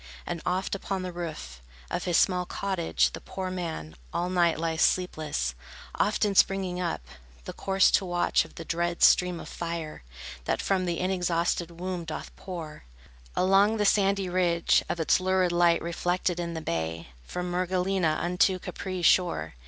And oft upon the roof Of his small cottage, the poor man All night lies sleepless, often springing up, The course to watch of the dread stream of fire That from the inexhausted womb doth pour Along the sandy ridge, Its lurid light reflected in the bay, From Mergellina unto Capri's shore.